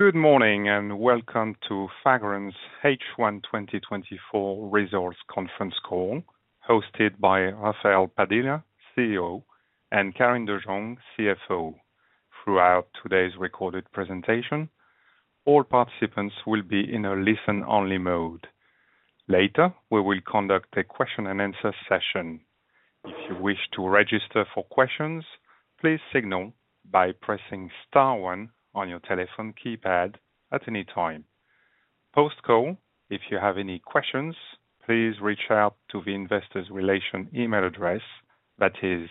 Good morning and welcome to Fagron's H1 2024 Results Conference Call, hosted by Rafael Padilla, CEO, and Karin de Jong, CFO, throughout today's recorded presentation. All participants will be in a listen-only mode. Later, we will conduct a question-and-answer session. If you wish to register for questions, please signal by pressing star one on your telephone keypad at any time. Post-call, if you have any questions, please reach out to the investors' relation email address that is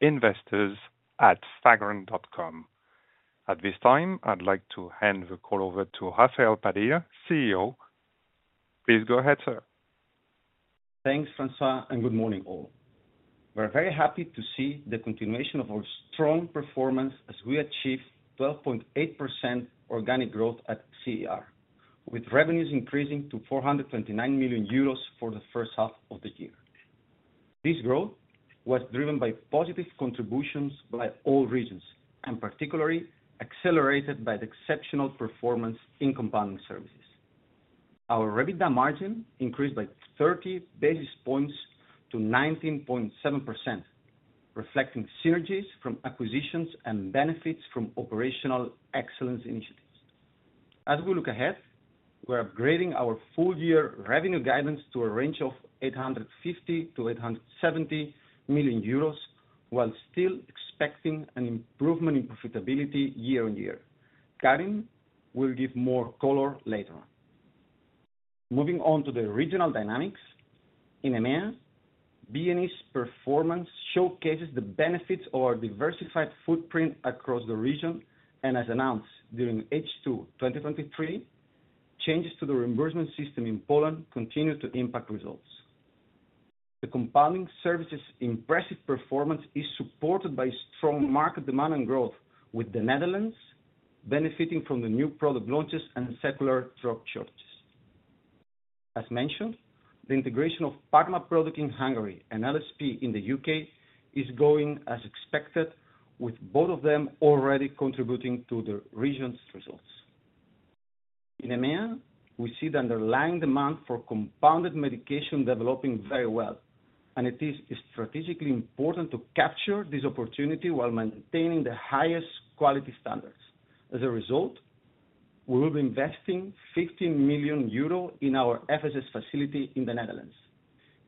investors@fagron.com. At this time, I'd like to hand the call over to Rafael Padilla, CEO. Please go ahead, sir. Thanks, François, and good morning, all. We're very happy to see the continuation of our strong performance as we achieved 12.8% organic growth at CER, with revenues increasing to 429 million euros for the first half of the year. This growth was driven by positive contributions by all regions, and particularly accelerated by the exceptional performance in Compounding Services. Our EBITDA margin increased by 30 basis points to 19.7%, reflecting synergies from acquisitions and benefits from operational excellence initiatives. As we look ahead, we're upgrading our full-year revenue guidance to a range of 850 million-870 million euros while still expecting an improvement in profitability year on year. Karin will give more color later on. Moving on to the regional dynamics, in EMEA, B&E's performance showcases the benefits of our diversified footprint across the region, and as announced during H2 2023, changes to the reimbursement system in Poland continue to impact results. The Compounding Services' impressive performance is supported by strong market demand and growth, with the Netherlands benefiting from the new product launches and secular drug shortages. As mentioned, the integration of Parma Produkt in Hungary and LSP in the U.K. is going as expected, with both of them already contributing to the region's results. In EMEA, we see the underlying demand for compounded medication developing very well, and it is strategically important to capture this opportunity while maintaining the highest quality standards. As a result, we will be investing 15 million euro in our FSS facility in the Netherlands.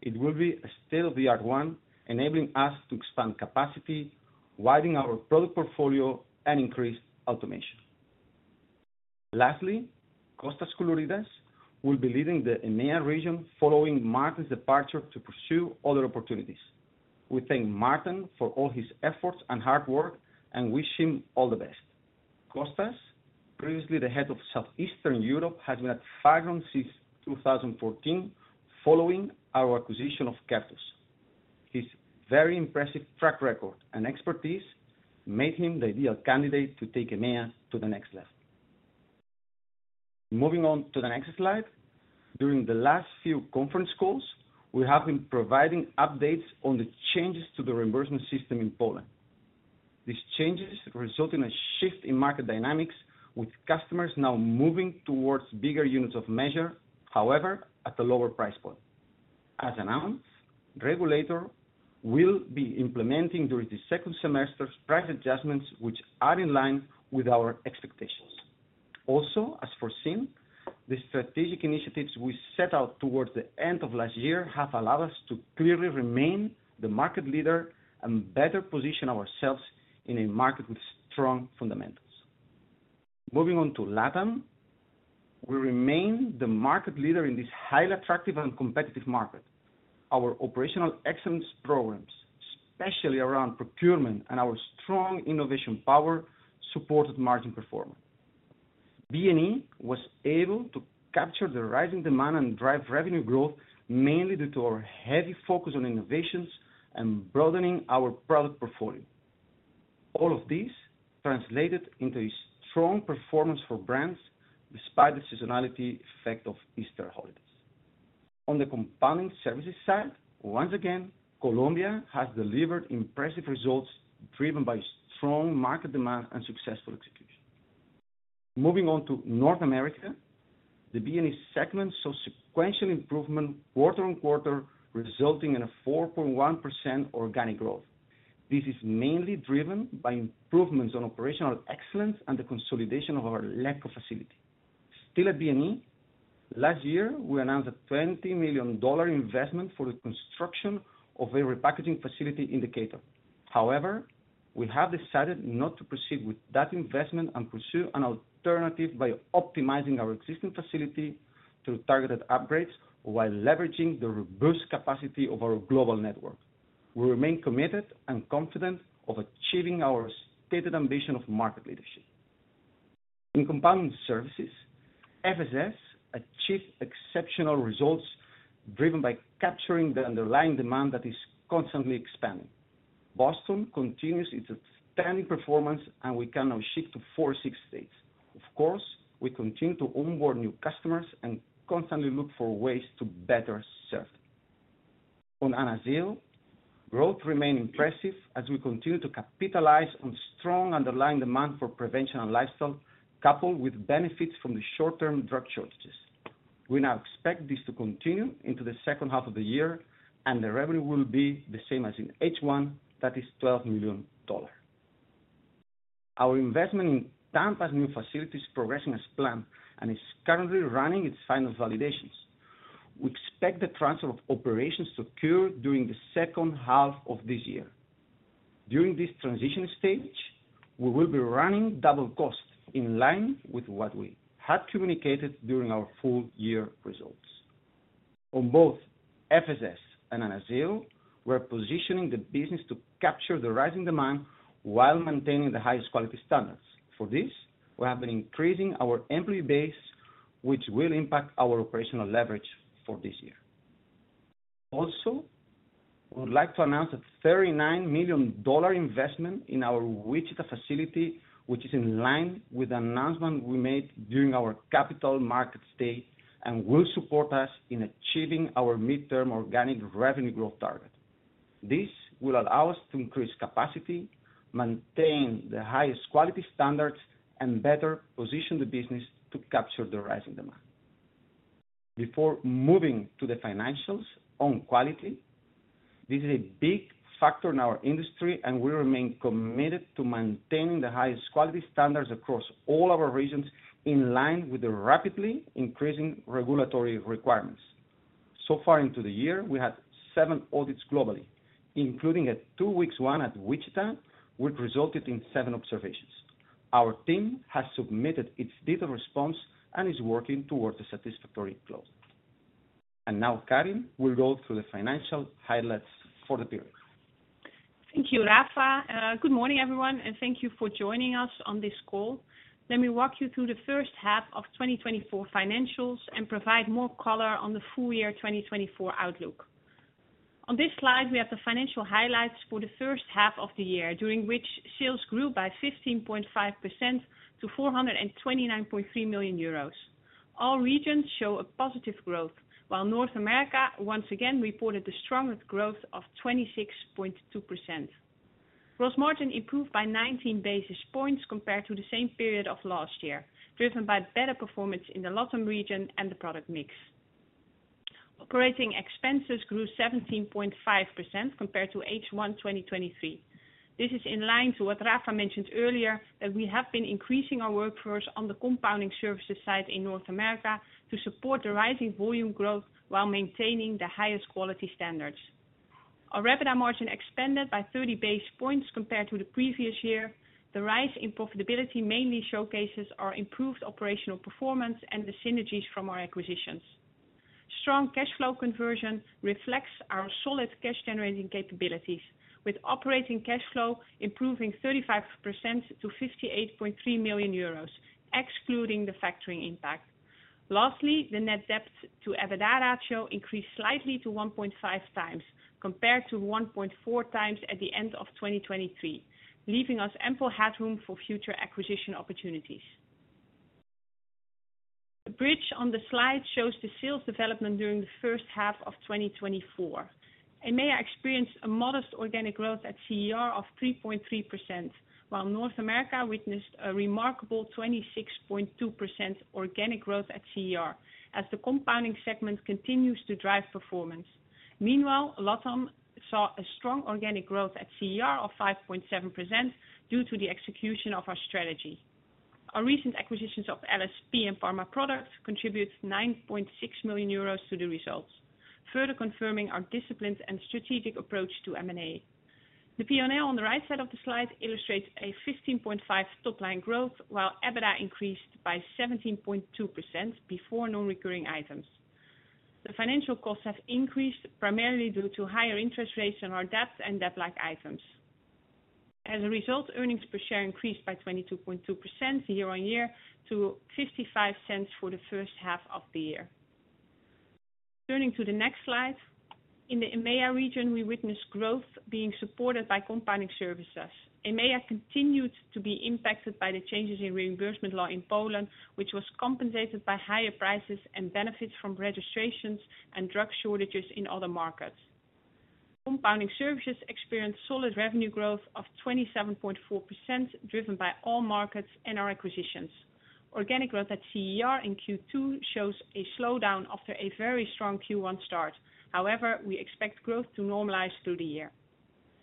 It will be a state-of-the-art one, enabling us to expand capacity, widen our product portfolio, and increase automation. Lastly, Kostas Kouloridas will be leading the EMEA region following Maarten's departure to pursue other opportunities. We thank Maarten for all his efforts and hard work and wish him all the best. Kostas, previously the head of Southeastern Europe, has been at Fagron since 2014, following our acquisition of Kertus. His very impressive track record and expertise made him the ideal candidate to take EMEA to the next level. Moving on to the next slide, during the last few conference calls, we have been providing updates on the changes to the reimbursement system in Poland. These changes result in a shift in market dynamics, with customers now moving towards bigger units of measure, however, at a lower price point. As announced, the regulator will be implementing during the second semester price adjustments, which are in line with our expectations. Also, as foreseen, the strategic initiatives we set out towards the end of last year have allowed us to clearly remain the market leader and better position ourselves in a market with strong fundamentals. Moving on to LATAM, we remain the market leader in this highly attractive and competitive market. Our operational excellence programs, especially around procurement and our strong innovation power, supported margin performance. B&E was able to capture the rising demand and drive revenue growth, mainly due to our heavy focus on innovations and broadening our product portfolio. All of this translated into a strong performance for Brands despite the seasonality effect of Easter holidays. On the Compounding Services side, once again, Colombia has delivered impressive results driven by strong market demand and successful execution. Moving on to North America, the B&E segment saw sequential improvement quarter-on-quarter, resulting in a 4.1% organic growth. This is mainly driven by improvements on operational excellence and the consolidation of our Letco facility. Still at B&E, last year, we announced a $20 million investment for the construction of a repackaging facility in Decatur. However, we have decided not to proceed with that investment and pursue an alternative by optimizing our existing facility through targeted upgrades while leveraging the robust capacity of our global network. We remain committed and confident of achieving our stated ambition of market leadership. In Compounding Services, FSS achieved exceptional results driven by capturing the underlying demand that is constantly expanding. Boston continues its outstanding performance, and we can now ship to four or six states. Of course, we continue to onboard new customers and constantly look for ways to better serve them. On Anazao, growth remained impressive as we continue to capitalize on strong underlying demand for prevention and lifestyle, coupled with benefits from the short-term drug shortages. We now expect this to continue into the second half of the year, and the revenue will be the same as in H1, that is $12 million. Our investment in Tampa's new facility is progressing as planned and is currently running its final validations. We expect the transfer of operations to occur during the second half of this year. During this transition stage, we will be running double cost in line with what we had communicated during our full-year results. On both FSS and Anazao, we're positioning the business to capture the rising demand while maintaining the highest quality standards. For this, we have been increasing our employee base, which will impact our operational leverage for this year. Also, we would like to announce a $39 million investment in our Wichita facility, which is in line with the announcement we made during our Capital Markets Day and will support us in achieving our midterm organic revenue growth target. This will allow us to increase capacity, maintain the highest quality standards, and better position the business to capture the rising demand. Before moving to the financials on quality, this is a big factor in our industry, and we remain committed to maintaining the highest quality standards across all our regions in line with the rapidly increasing regulatory requirements. So far into the year, we had 7 audits globally, including a two-week one at Wichita, which resulted in seven observations. Our team has submitted its data response and is working towards a satisfactory close. And now, Karin will go through the financial highlights for the period. Thank you, Rafa. Good morning, everyone, and thank you for joining us on this call. Let me walk you through the first half of 2024 financials and provide more color on the full-year 2024 outlook. On this slide, we have the financial highlights for the first half of the year, during which sales grew by 15.5% to 429.3 million euros. All regions show a positive growth, while North America once again reported the strongest growth of 26.2%. Gross margin improved by 19 basis points compared to the same period of last year, driven by better performance in the LATAM region and the product mix. Operating expenses grew 17.5% compared to H1 2023. This is in line to what Rafa mentioned earlier, that we have been increasing our workforce on the Compounding Services side in North America to support the rising volume growth while maintaining the highest quality standards. Our EBITDA margin expanded by 30 basis points compared to the previous year. The rise in profitability mainly showcases our improved operational performance and the synergies from our acquisitions. Strong cash flow conversion reflects our solid cash-generating capabilities, with operating cash flow improving 35% to 58.3 million euros, excluding the factoring impact. Lastly, the net debt to EBITDA ratio increased slightly to 1.5x compared to 1.4x at the end of 2023, leaving us ample headroom for future acquisition opportunities. The bridge on the slide shows the sales development during the first half of 2024. EMEA experienced a modest organic growth at CER of 3.3%, while North America witnessed a remarkable 26.2% organic growth at CER, as the Compounding segment continues to drive performance. Meanwhile, LATAM saw a strong organic growth at CER of 5.7% due to the execution of our strategy. Our recent acquisitions of LSP and Parma Produkt contributed 9.6 million euros to the results, further confirming our disciplined and strategic approach to M&A. The P&L on the right side of the slide illustrates a 15.5% top-line growth, while EBITDA increased by 17.2% before non-recurring items. The financial costs have increased primarily due to higher interest rates on our debt and debt-like items. As a result, earnings per share increased by 22.2% year-over-year to 0.55 for the first half of the year. Turning to the next slide, in the EMEA region, we witnessed growth being supported by Compounding Services. EMEA continued to be impacted by the changes in reimbursement law in Poland, which was compensated by higher prices and benefits from registrations and drug shortages in other markets. Compounding Services experienced solid revenue growth of 27.4%, driven by all markets and our acquisitions. Organic growth at CER in Q2 shows a slowdown after a very strong Q1 start. However, we expect growth to normalize through the year.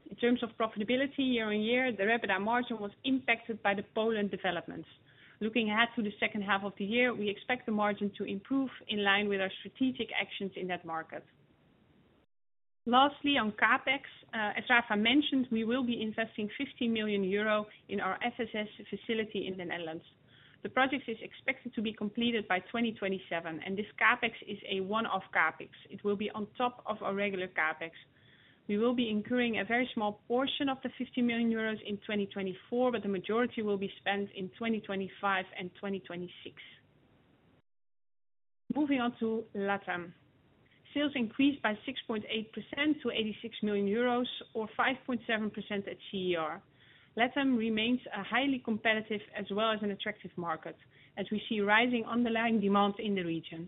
In terms of profitability year-over-year, the EBITDA margin was impacted by the Poland developments. Looking ahead to the second half of the year, we expect the margin to improve in line with our strategic actions in that market. Lastly, on CapEx, as Rafa mentioned, we will be investing 15 million euro in our FSS facility in the Netherlands. The project is expected to be completed by 2027, and this CapEx is a one-off CapEx. It will be on top of our regular CapEx. We will be incurring a very small portion of the €15 million in 2024, but the majority will be spent in 2025 and 2026. Moving on to LATAM, sales increased by 6.8% to 86 million euros, or 5.7% at CER. LATAM remains a highly competitive as well as an attractive market, as we see rising underlying demand in the region.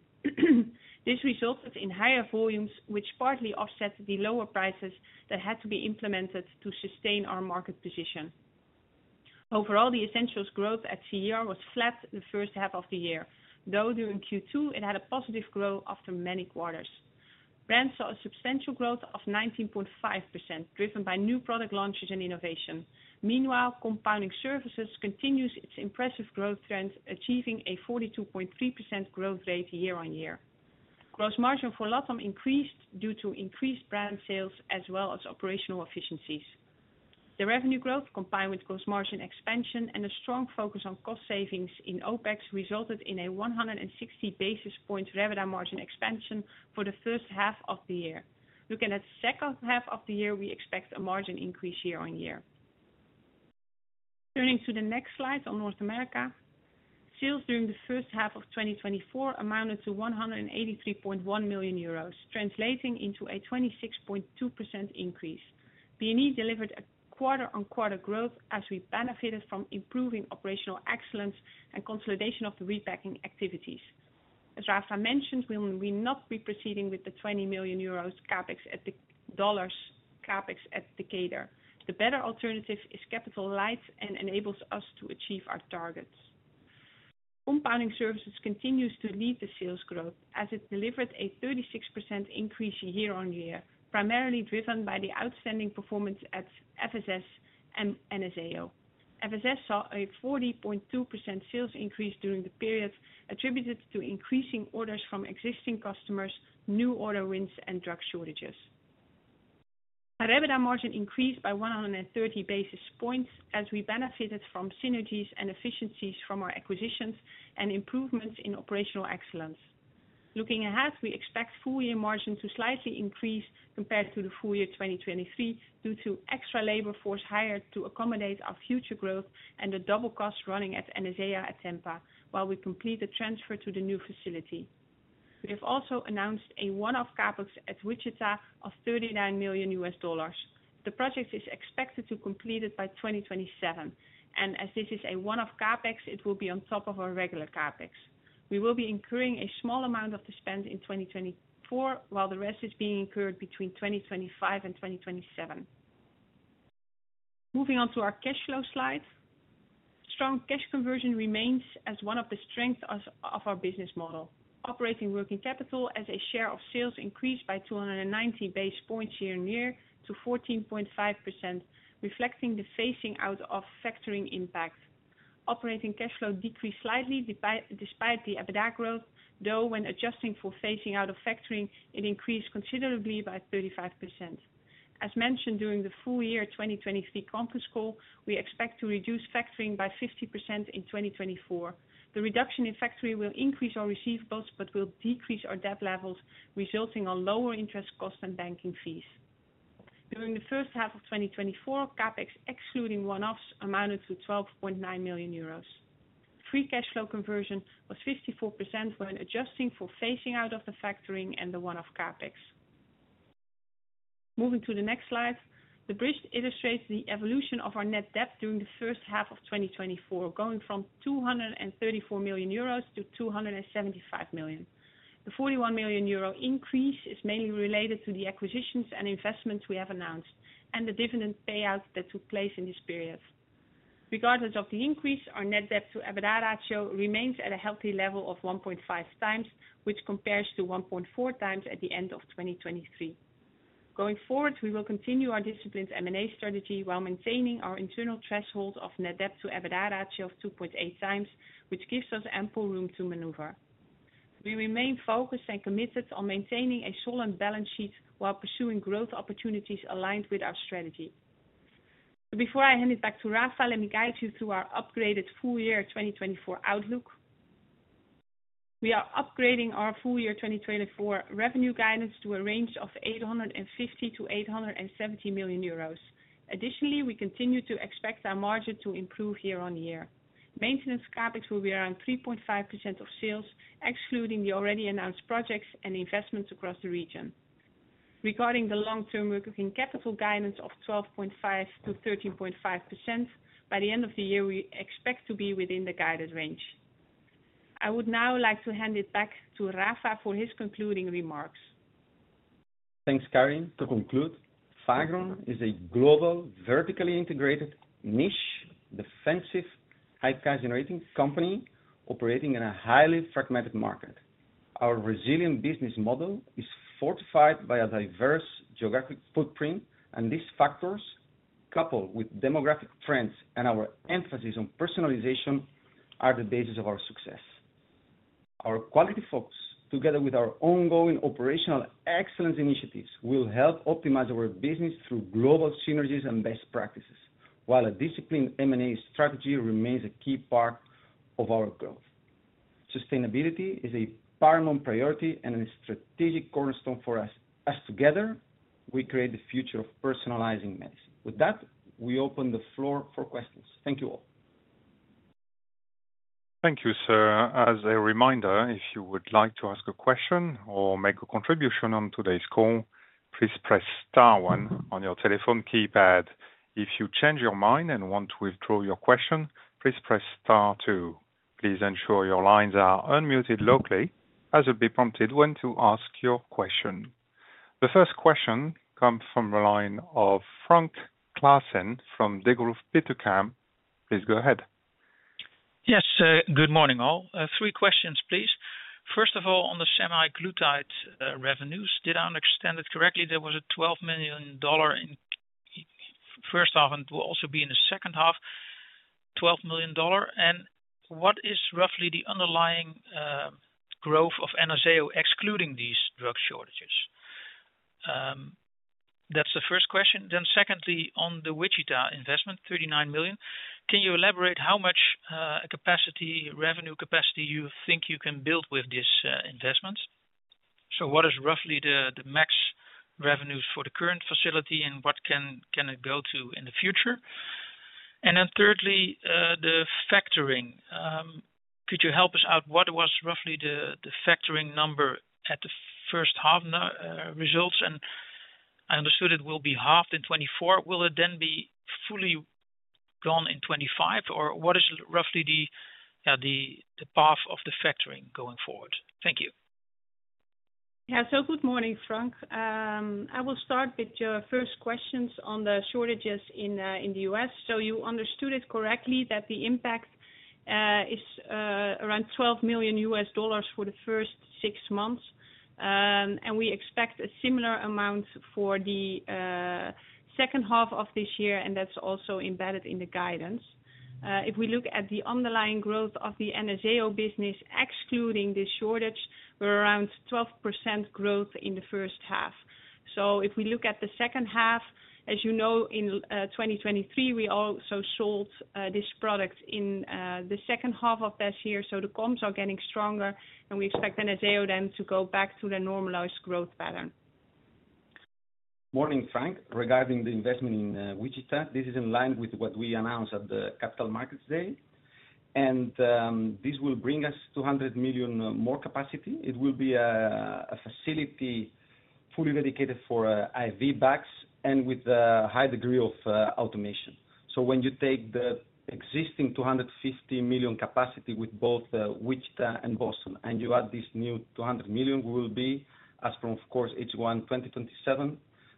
This resulted in higher volumes, which partly offset the lower prices that had to be implemented to sustain our market position. Overall, the Essentials growth at CER was flat the first half of the year, though during Q2, it had a positive growth after many quarters. Brands saw a substantial growth of 19.5%, driven by new product launches and innovation. Meanwhile, Compounding Services continues its impressive growth trend, achieving a 42.3% growth rate year-on-year. Gross margin for LATAM increased due to increased brand sales as well as operational efficiencies. The revenue growth, combined with gross margin expansion and a strong focus on cost savings in OpEx, resulted in a 160 basis point EBITDA margin expansion for the first half of the year. Looking at the second half of the year, we expect a margin increase year-over-year. Turning to the next slide on North America, sales during the first half of 2024 amounted to 183.1 million euros, translating into a 26.2% increase. B&E delivered a quarter-on-quarter growth as we benefited from improving operational excellence and consolidation of the repacking activities. As Rafa mentioned, we will not be proceeding with the 20 million euros CapEx at Decatur. The better alternative is capital light and enables us to achieve our targets. Compounding Services continues to lead the sales growth, as it delivered a 36% increase year-over-year, primarily driven by the outstanding performance at FSS and Anazao. FSS saw a 40.2% sales increase during the period, attributed to increasing orders from existing customers, new order wins, and drug shortages. Our EBITDA margin increased by 130 basis points as we benefited from synergies and efficiencies from our acquisitions and improvements in operational excellence. Looking ahead, we expect full-year margin to slightly increase compared to the full year 2023 due to extra labor force hired to accommodate our future growth and the double cost running at Anazao at Tampa while we complete the transfer to the new facility. We have also announced a one-off CapEx at Wichita of $39 million. The project is expected to be completed by 2027, and as this is a one-off CapEx, it will be on top of our regular CapEx. We will be incurring a small amount of the spend in 2024, while the rest is being incurred between 2025 and 2027. Moving on to our cash flow slide, strong cash conversion remains as one of the strengths of our business model. Operating working capital as a share of sales increased by 290 basis points year-on-year to 14.5%, reflecting the phasing out of factoring impact. Operating cash flow decreased slightly despite the EBITDA growth, though when adjusting for phasing out of factoring, it increased considerably by 35%. As mentioned during the full-year 2023 conference call, we expect to reduce factoring by 50% in 2024. The reduction in factoring will increase our receivables but will decrease our debt levels, resulting in lower interest costs and banking fees. During the first half of 2024, CapEx excluding one-offs amounted to 12.9 million euros. Free cash flow conversion was 54% when adjusting for phasing out of the factoring and the one-off CapEx. Moving to the next slide, the bridge illustrates the evolution of our net debt during the first half of 2024, going from 234 million euros- 275 million. The 41 million euro increase is mainly related to the acquisitions and investments we have announced and the dividend payout that took place in this period. Regardless of the increase, our net debt to EBITDA ratio remains at a healthy level of 1.5x, which compares to 1.4x at the end of 2023. Going forward, we will continue our disciplined M&A strategy while maintaining our internal threshold of net debt to EBITDA ratio of 2.8x, which gives us ample room to maneuver. We remain focused and committed on maintaining a solid balance sheet while pursuing growth opportunities aligned with our strategy. Before I hand it back to Rafa, let me guide you through our upgraded full-year 2024 outlook. We are upgrading our full-year 2024 revenue guidance to a range of 850 million-870 million euros. Additionally, we continue to expect our margin to improve year-on-year. Maintenance CapEx will be around 3.5% of sales, excluding the already announced projects and investments across the region. Regarding the long-term working capital guidance of 12.5%-13.5%, by the end of the year, we expect to be within the guided range. I would now like to hand it back to Rafa for his concluding remarks. Thanks, Karin. To conclude, Fagron is a global, vertically integrated, niche, defensive high-cash-generating company operating in a highly fragmented market. Our resilient business model is fortified by a diverse geographic footprint, and these factors, coupled with demographic trends and our emphasis on personalization, are the basis of our success. Our quality focus, together with our ongoing operational excellence initiatives, will help optimize our business through global synergies and best practices, while a disciplined M&A strategy remains a key part of our growth. Sustainability is a paramount priority and a strategic cornerstone for us. As together, we create the future of personalizing medicine. With that, we open the floor for questions. Thank you all. Thank you, sir. As a reminder, if you would like to ask a question or make a contribution on today's call, please press star one on your telephone keypad. If you change your mind and want to withdraw your question, please press star two. Please ensure your lines are unmuted locally as you will be prompted when to ask your question. The first question comes from the line of Frank Claassen from Degroof Petercam. Please go ahead. Yes, good morning all. Three questions, please. First of all, on the semaglutide revenues, did I understand it correctly? There was a $12 million in first half and will also be in the second half, $12 million. And what is roughly the underlying growth of Anazao excluding these drug shortages? That's the first question. Then secondly, on the Wichita investment, $39 million, can you elaborate how much capacity, revenue capacity you think you can build with this investment? So what is roughly the max revenues for the current facility and what can it go to in the future? And then thirdly, the factoring, could you help us out? What was roughly the factoring number at the first half results? And I understood it will be halved in 2024. Will it then be fully gone in 2025? Or what is roughly the path of the factoring going forward? Thank you. Yeah, good morning, Frank. I will start with your first questions on the shortages in the U.S. You understood it correctly that the impact is around $12 million for the first six months. And we expect a similar amount for the second half of this year, and that's also embedded in the guidance. If we look at the underlying growth of the Anazao business, excluding the shortage, we're around 12% growth in the first half. If we look at the second half, as you know, in 2023, we also sold this product in the second half of last year. The comps are getting stronger, and we expect Anazao then to go back to the normalized growth pattern. Morning, Frank. Regarding the investment in Wichita, this is in line with what we announced at the Capital Markets Day. This will bring us $200 million more capacity. It will be a facility fully dedicated for IV bags and with a high degree of automation. When you take the existing $250 million capacity with both Wichita and Boston and you add this new $200 million, we will be, as from, of course, H1 2027,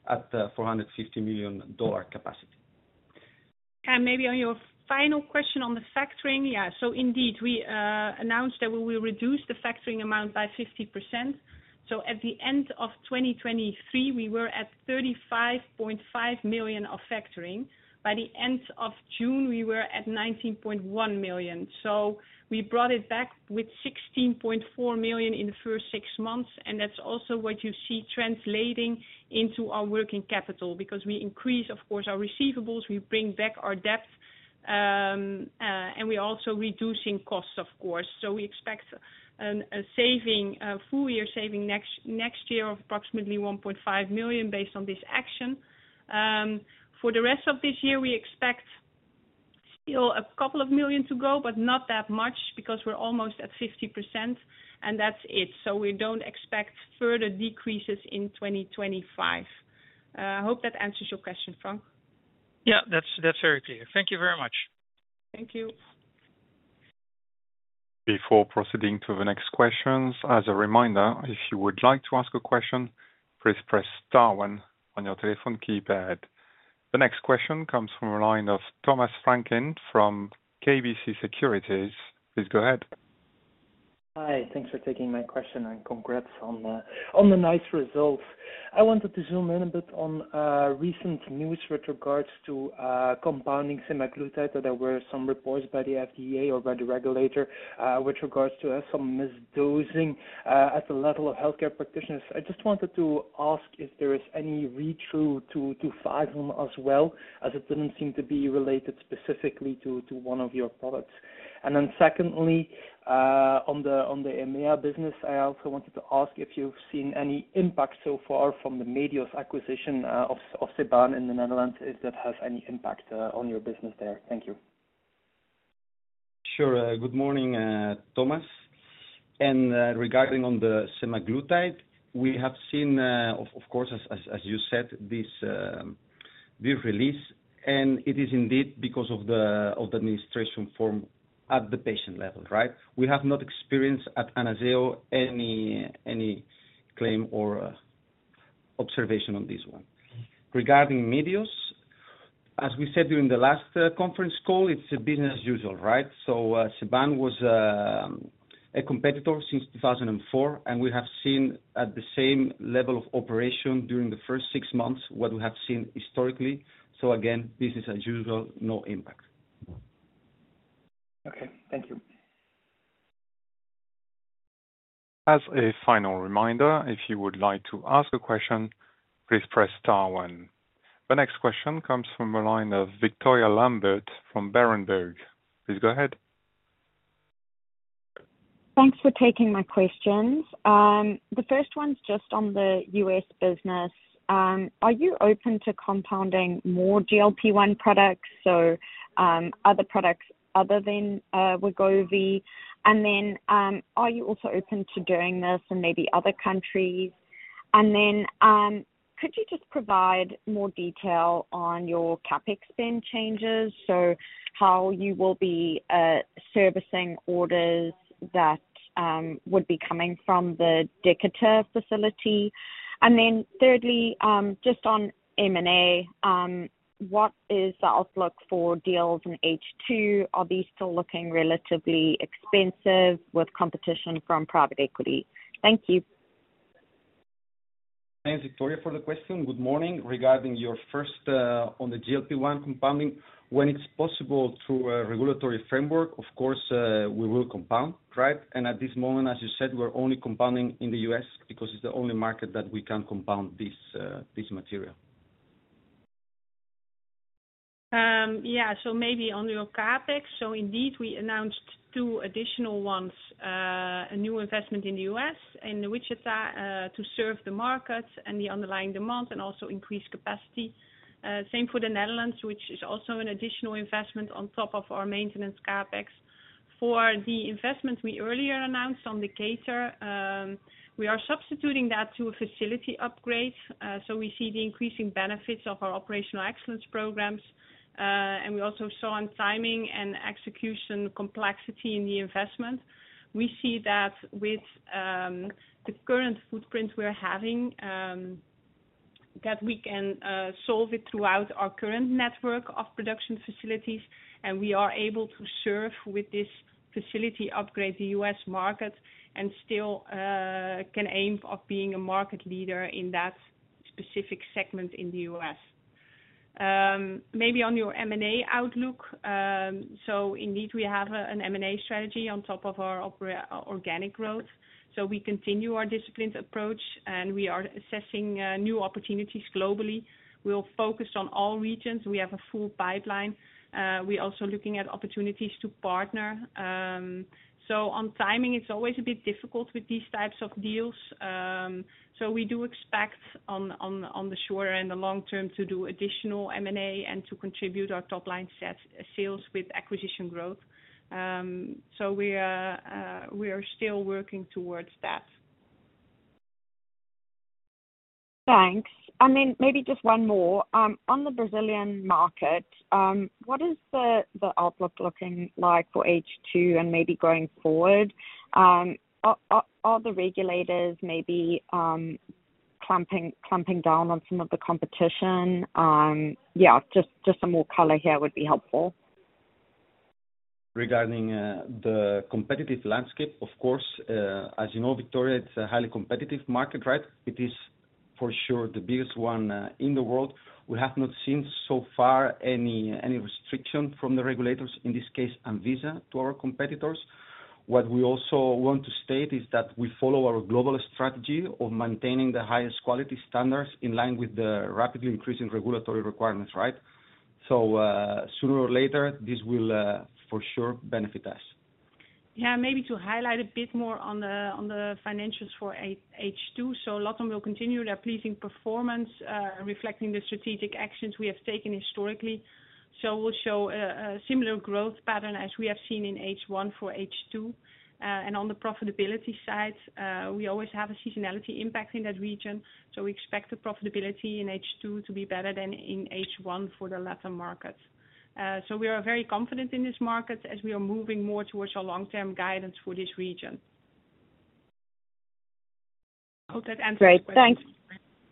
at $450 million capacity. Karen, maybe on your final question on the factoring, yeah, so indeed, we announced that we will reduce the factoring amount by 50%. So at the end of 2023, we were at 35.5 million of factoring. By the end of June, we were at 19.1 million. So we brought it back with 16.4 million in the first six months, and that's also what you see translating into our working capital because we increase, of course, our receivables, we bring back our debt, and we're also reducing costs, of course. So we expect a full-year saving next year of approximately 1.5 million based on this action. For the rest of this year, we expect still a couple of million to go, but not that much because we're almost at 50%, and that's it. So we don't expect further decreases in 2025. I hope that answers your question, Frank. Yeah, that's very clear. Thank you very much. Thank you. Before proceeding to the next questions, as a reminder, if you would like to ask a question, please press Star 1 on your telephone keypad. The next question comes from the line of Thomas Vranken from KBC Securities. Please go ahead. Hi, thanks for taking my question and congrats on the nice results. I wanted to zoom in a bit on recent news with regards to compounding semaglutide. There were some reports by the FDA or by the regulator with regards to some misdosing at the level of healthcare practitioners. I just wanted to ask if there is any return to Fagron as well, as it didn't seem to be related specifically to one of your products. And then secondly, on the EMEA business, I also wanted to ask if you've seen any impact so far from the Medios acquisition of Ceban in the Netherlands? Did that have any impact on your business there? Thank you. Sure, good morning, Thomas. Regarding on the semaglutide, we have seen, of course, as you said, this release, and it is indeed because of the administration form at the patient level, right? We have not experienced at Anazao any claim or observation on this one. Regarding Medios, as we said during the last conference call, it's a business as usual, right? Ceban was a competitor since 2004, and we have seen at the same level of operation during the first six months what we have seen historically. So again, this is as usual, no impact. Okay, thank you. As a final reminder, if you would like to ask a question, please press star one. The next question comes from the line of Victoria Lambert from Berenberg. Please go ahead. Thanks for taking my questions. The first one's just on the U.S. business. Are you open to compounding more GLP-1 products, so other products other than Wegovy? And then are you also open to doing this in maybe other countries? And then could you just provide more detail on your CapEx spend changes, so how you will be servicing orders that would be coming from the Decatur facility? And then thirdly, just on M&A, what is the outlook for deals in H2? Are these still looking relatively expensive with competition from private equity? Thank you. Thanks, Victoria, for the question. Good morning. Regarding your first on the GLP-1 compounding, when it's possible through a regulatory framework, of course, we will compound, right? And at this moment, as you said, we're only compounding in the U.S. because it's the only market that we can compound this material. Yeah, so maybe on your CapEx, so indeed, we announced two additional ones, a new investment in the U.S. and the Wichita to serve the market and the underlying demand and also increase capacity. Same for the Netherlands, which is also an additional investment on top of our maintenance CapEx. For the investment we earlier announced on Decatur, we are substituting that to a facility upgrade. So we see the increasing benefits of our operational excellence programs. And we also saw on timing and execution complexity in the investment. We see that with the current footprint we're having, that we can solve it throughout our current network of production facilities, and we are able to serve with this facility upgrade the U.S. market and still can aim of being a market leader in that specific segment in the U.S. Maybe on your M&A outlook, so indeed, we have an M&A strategy on top of our organic growth. We continue our disciplined approach, and we are assessing new opportunities globally. We'll focus on all regions. We have a full pipeline. We're also looking at opportunities to partner. On timing, it's always a bit difficult with these types of deals. We do expect on the shorter and the long term to do additional M&A and to contribute our top-line sales with acquisition growth. We are still working towards that. Thanks. I mean, maybe just one more. On the Brazilian market, what is the outlook looking like for H2 and maybe going forward? Are the regulators maybe clamping down on some of the competition? Yeah, just some more color here would be helpful. Regarding the competitive landscape, of course, as you know, Victoria, it's a highly competitive market, right? It is for sure the biggest one in the world. We have not seen so far any restriction from the regulators, in this case, ANVISA, to our competitors. What we also want to state is that we follow our global strategy of maintaining the highest quality standards in line with the rapidly increasing regulatory requirements, right? So sooner or later, this will for sure benefit us. Yeah, maybe to highlight a bit more on the financials for H2, so LATAM will continue their pleasing performance, reflecting the strategic actions we have taken historically. So we'll show a similar growth pattern as we have seen in H1 for H2. On the profitability side, we always have a seasonality impact in that region. So we expect the profitability in H2 to be better than in H1 for the Latin market. So we are very confident in this market as we are moving more towards our long-term guidance for this region. I hope that answers your question. Great. Thanks.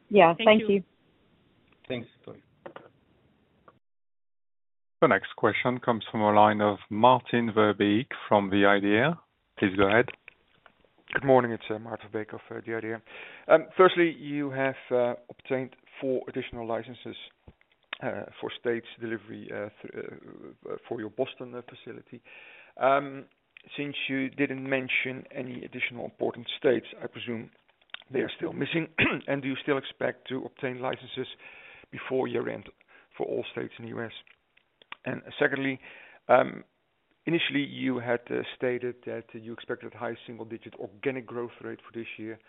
Yeah, thank you. Thanks, Tony. The next question comes from the line of Maarten Verbeek from the IDEA. Please go ahead. Good morning, it's Maarten Verbeek of the IDEA. Firstly, you have obtained four additional licenses for states delivery for your Boston facility. Since you didn't mention any additional important states, I presume they are still missing. Do you still expect to obtain licenses before year-end for all states in the U.S.? Secondly, initially, you had stated that you expected a high single-digit organic growth rate for this year.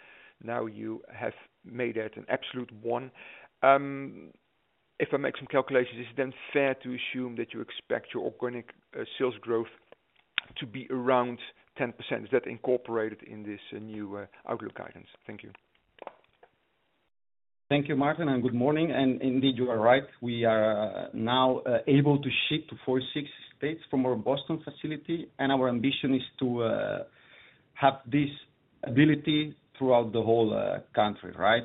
Now you have made that an absolute one. If I make some calculations, is it then fair to assume that you expect your organic sales growth to be around 10%? Is that incorporated in this new outlook guidance? Thank you. Thank you, Maarten, and good morning. Indeed, you are right. We are now able to ship to 46 states from our Boston facility. Our ambition is to have this ability throughout the whole country, right?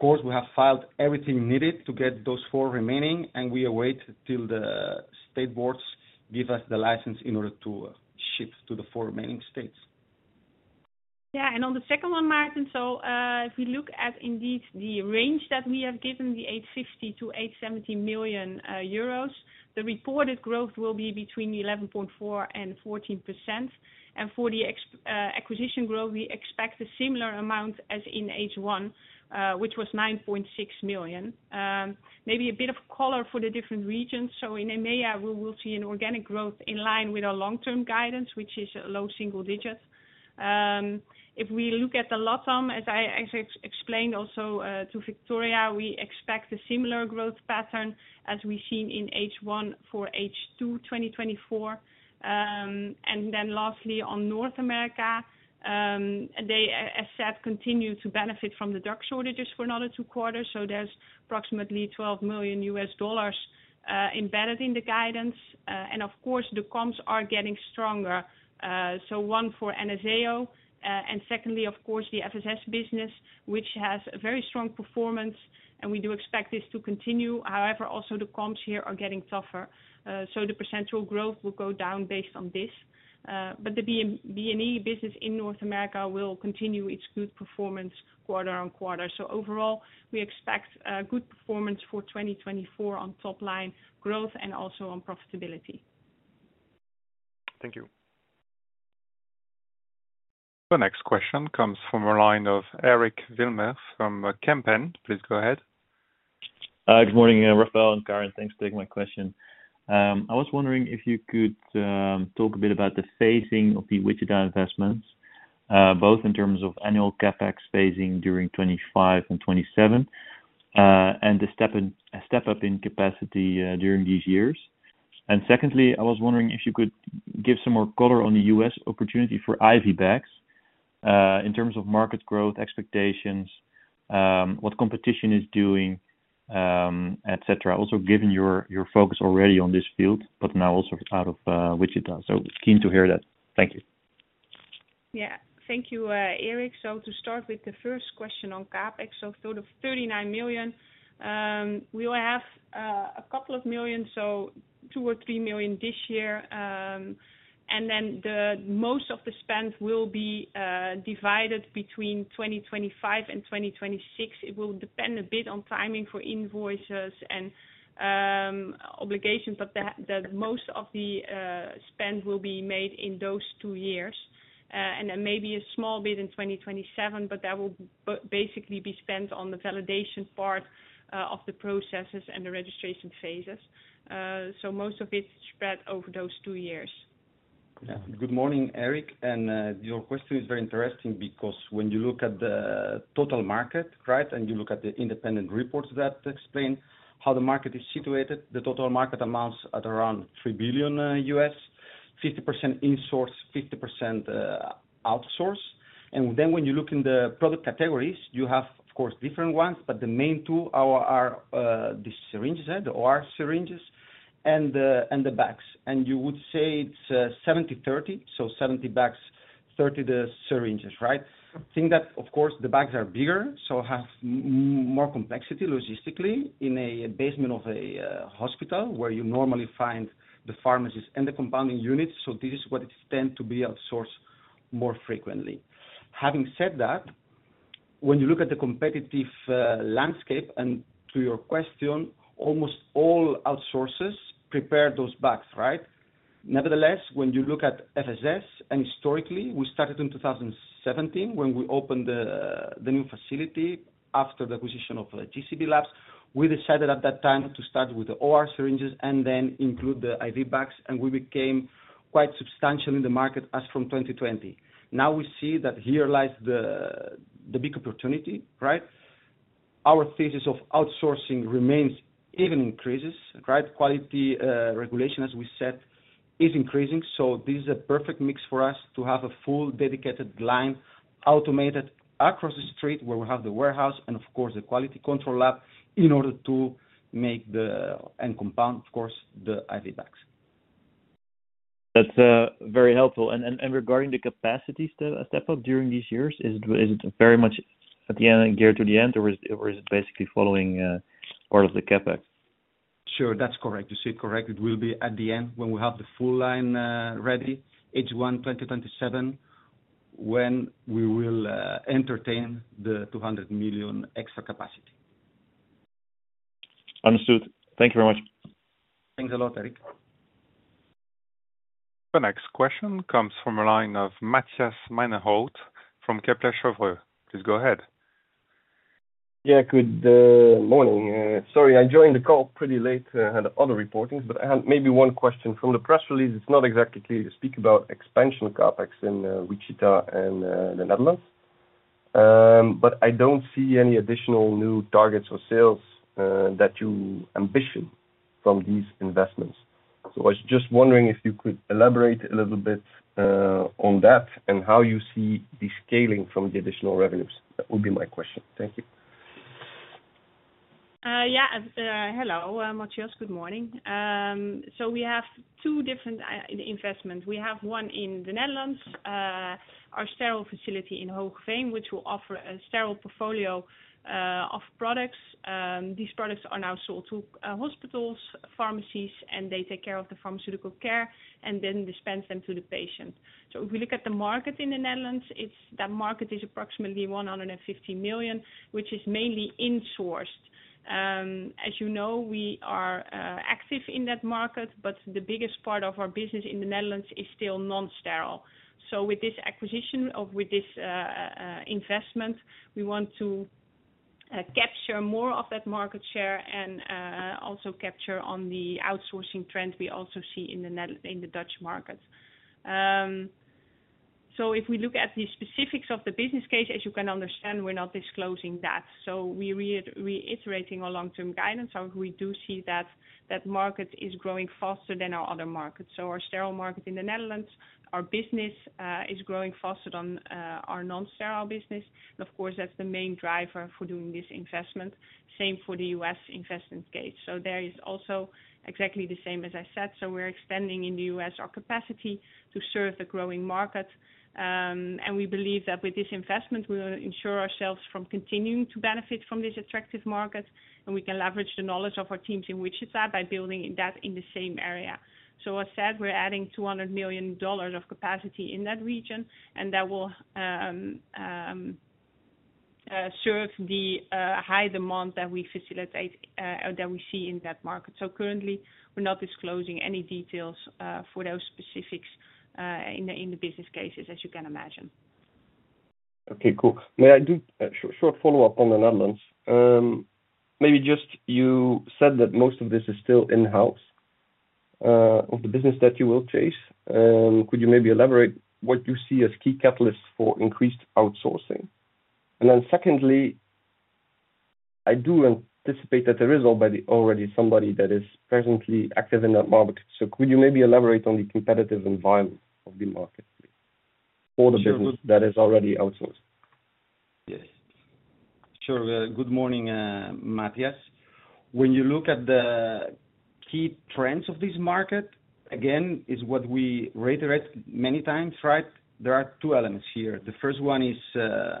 Of course, we have filed everything needed to get those four remaining, and we await till the state boards give us the license in order to ship to the four remaining states. Yeah, and on the second one, Maarten, so if you look at indeed the range that we have given, the 850 million-870 million euros, the reported growth will be between 11.4%-14%. And for the acquisition growth, we expect a similar amount as in H1, which was 9.6 million. Maybe a bit of color for the different regions. So in EMEA, we will see an organic growth in line with our long-term guidance, which is a low single digit. If we look at the LATAM, as I explained also to Victoria, we expect a similar growth pattern as we've seen in H1 for H2 2024. And then lastly, on North America, they, as said, continue to benefit from the drug shortages for another two quarters. So there's approximately $12 million embedded in the guidance. And of course, the comps are getting stronger. So one for Anazao. And secondly, of course, the FSS business, which has a very strong performance, and we do expect this to continue. However, also the comps here are getting tougher. So the percentage growth will go down based on this. But the B&E business in North America will continue its good performance quarter on quarter. So overall, we expect good performance for 2024 on top-line growth and also on profitability. Thank you. The next question comes from the line of Eric Wilmer from Kempen. Please go ahead. Good morning, Rafael and Karin. Thanks for taking my question. I was wondering if you could talk a bit about the phasing of the Wichita investments, both in terms of annual CapEx phasing during 2025 and 2027, and the step-up in capacity during these years. And secondly, I was wondering if you could give some more color on the U.S. opportunity for IV bags in terms of market growth expectations, what competition is doing, et cetera, also given your focus already on this field, but now also out of Wichita. So keen to hear that. Thank you. Yeah, thank you, Eric. So to start with the first question on CapEx, so sort of 39 million, we will have a couple of millions, so 2 million-3 million this year. And then most of the spend will be divided between 2025 and 2026. It will depend a bit on timing for invoices and obligations, but most of the spend will be made in those two years. And then maybe a small bit in 2027, but that will basically be spent on the validation part of the processes and the registration phases. So most of it's spread over those two years. Yeah. Good morning, Eric. And your question is very interesting because when you look at the total market, right, and you look at the independent reports that explain how the market is situated, the total market amounts at around $3 billion, 50% in-source, 50% outsource. And then when you look in the product categories, you have, of course, different ones, but the main two are the syringes, the OR syringes, and the bags. And you would say it's 70-30, so 70 bags, 30 the syringes, right? I think that, of course, the bags are bigger, so have more complexity logistically in a basement of a hospital where you normally find the pharmacies and the compounding units. So this is what it tends to be outsourced more frequently. Having said that, when you look at the competitive landscape, and to your question, almost all outsources prepare those bags, right? Nevertheless, when you look at FSS, and historically, we started in 2017 when we opened the new facility after the acquisition of JCB Labs. We decided at that time to start with the OR syringes and then include the IV bags, and we became quite substantial in the market as from 2020. Now we see that here lies the big opportunity, right? Our thesis of outsourcing remains even increases, right? Quality regulation, as we said, is increasing. So this is a perfect mix for us to have a full dedicated line automated across the street where we have the warehouse and, of course, the quality control lab in order to make the and compound, of course, the IV bags. That's very helpful. Regarding the capacity step-up during these years, is it very much at the end and geared to the end, or is it basically following part of the CapEx? Sure, that's correct. You see it correct. It will be at the end when we have the full line ready, H1 2027, when we will entertain the 200 million extra capacity. Understood. Thank you very much. Thanks a lot, Eric. The next question comes from a line of Matthias Maenhaut from Kepler Cheuvreux. Please go ahead. Yeah, good morning. Sorry, I joined the call pretty late and had other reportings, but I had maybe one question from the press release. It's not exactly clear you speak about expansion CapEx in Wichita and the Netherlands, but I don't see any additional new targets or sales that you ambition from these investments. So I was just wondering if you could elaborate a little bit on that and how you see the scaling from the additional revenues. That would be my question. Thank you. Yeah, hello, Matthias, good morning. So we have two different investments. We have one in the Netherlands, our sterile facility in Hoogeveen, which will offer a sterile portfolio of products. These products are now sold to hospitals, pharmacies, and they take care of the pharmaceutical care and then dispense them to the patient. So if we look at the market in the Netherlands, that market is approximately 150 million, which is mainly insourced. As you know, we are active in that market, but the biggest part of our business in the Netherlands is still non-sterile. So with this acquisition or with this investment, we want to capture more of that market share and also capture on the outsourcing trend we also see in the Dutch market. So if we look at the specifics of the business case, as you can understand, we're not disclosing that. We're reiterating our long-term guidance. We do see that that market is growing faster than our other markets. Our sterile market in the Netherlands, our business is growing faster than our non-sterile business. Of course, that's the main driver for doing this investment. Same for the U.S. investment case. There is also exactly the same, as I said. We're extending in the U.S. our capacity to serve the growing market. We believe that with this investment, we'll ensure ourselves from continuing to benefit from this attractive market. We can leverage the knowledge of our teams in Wichita by building that in the same area. As said, we're adding $200 million of capacity in that region, and that will serve the high demand that we facilitate that we see in that market. Currently, we're not disclosing any details for those specifics in the business cases, as you can imagine. Okay, cool. May I do a short follow-up on the Netherlands? Maybe just you said that most of this is still in-house of the business that you will chase. Could you maybe elaborate what you see as key catalysts for increased outsourcing? And then secondly, I do anticipate that there is already somebody that is presently active in that market. So could you maybe elaborate on the competitive environment of the market for the business that is already outsourced? Yes. Sure. Good morning, Matthias. When you look at the key trends of this market, again, it's what we reiterate many times, right? There are two elements here. The first one is the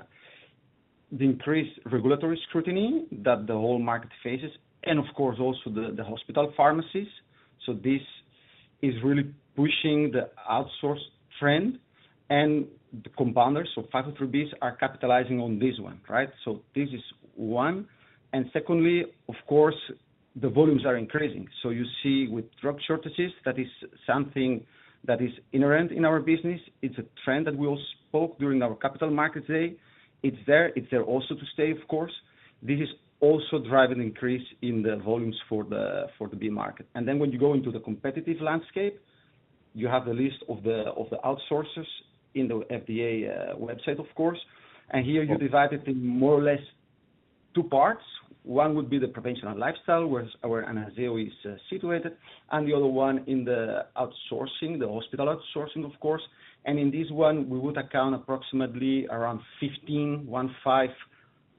increased regulatory scrutiny that the whole market faces, and of course, also the hospital pharmacies. So this is really pushing the outsource trend. And the compounders, so 503Bs, are capitalizing on this one, right? So this is one. And secondly, of course, the volumes are increasing. So you see with drug shortages, that is something that is inherent in our business. It's a trend that we all spoke during our Capital Markets Day. It's there. It's there also to stay, of course. This is also driving the increase in the volumes for the B market. And then when you go into the competitive landscape, you have the list of the outsourcers in the FDA website, of course. Here you divide it in more or less 2 parts. One would be the prevention and lifestyle, where Anazao is situated, and the other one in the outsourcing, the hospital outsourcing, of course. In this one, we would account approximately around 15, 15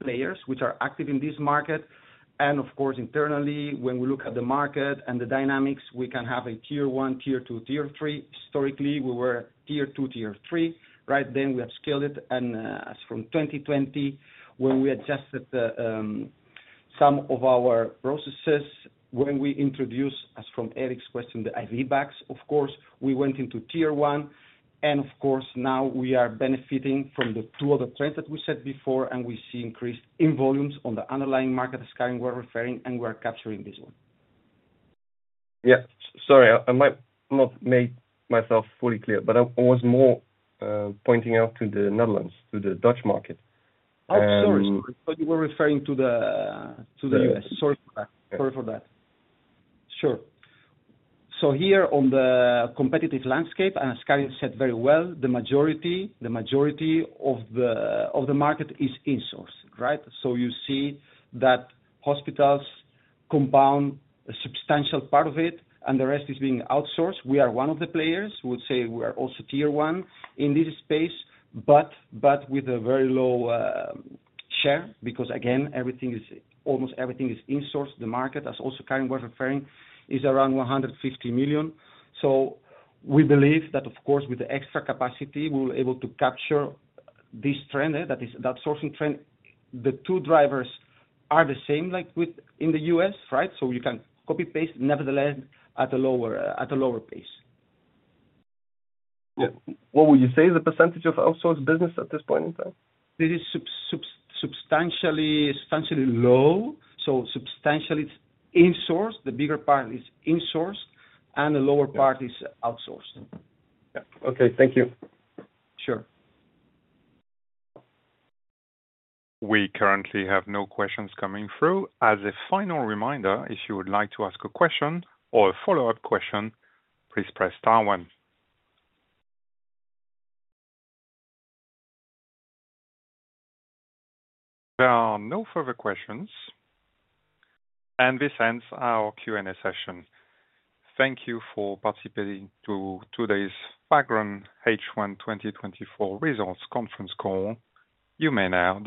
players, which are active in this market. Of course, internally, when we look at the market and the dynamics, we can have a tier one, tier two, tier three. Historically, we were tier two, tier three, right? Then we have scaled it. As from 2020, when we adjusted some of our processes, when we introduced, as from Eric's question, the IV bags, of course, we went into tier one. Of course, now we are benefiting from the two other trends that we said before, and we see increase in volumes on the underlying market that's carrying we're referring, and we are capturing this one. Yeah, sorry, I might not make myself fully clear, but I was more pointing out to the Netherlands, to the Dutch market. Outsourced. You were referring to the U.S. Sorry for that. Sure. So here on the competitive landscape, and as Karen said very well, the majority of the market is insourced, right? So you see that hospitals compound a substantial part of it, and the rest is being outsourced. We are one of the players. We would say we are also tier one in this space, but with a very low share because, again, almost everything is insourced. The market, as also Karen was referring, is around 150 million. So we believe that, of course, with the extra capacity, we're able to capture this trend, that sourcing trend. The two drivers are the same like in the U.S., right? So you can copy-paste nevertheless at a lower pace. Yeah. What would you say is the percentage of outsourced business at this point in time? This is substantially low. So substantially insourced. The bigger part is insourced, and the lower part is outsourced. Yeah. Okay. Thank you. Sure. We currently have no questions coming through. As a final reminder, if you would like to ask a question or a follow-up question, please press star one. There are no further questions, and this ends our Q&A session. Thank you for participating to today's Fagron H1 2024 Results Conference call. You may now.